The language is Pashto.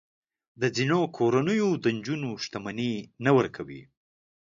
د ځینو کورنیو د نجونو شتمني نه ورکوي.